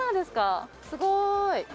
すごい。